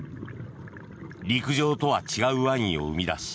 陸上とは違うワインを生み出し